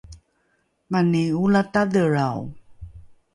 mani olatadhelrao